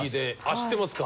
知ってますか？